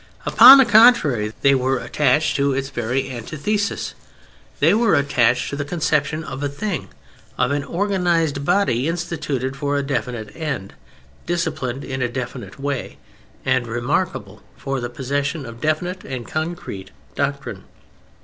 Upon the contrary, they were attached to its very antithesis. They were attached to the conception of a thing: of an organized body instituted for a definite end, disciplined in a definite way, and remarkable for the possession of definite and concrete doctrine.